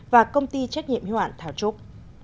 và công ty trách nhiệm hữu hạn thảo trúc